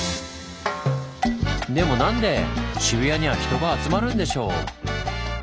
でもなんで渋谷には人が集まるんでしょう？